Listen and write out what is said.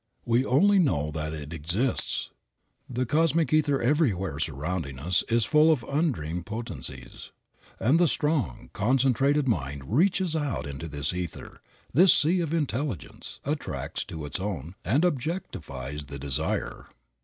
We only know that it exists. The cosmic ether everywhere surrounding us is full of undreamed of potencies and the strong, concentrated mind reaches out into this ether, this sea of intelligence, attracts to it its own, and objectifies the desire.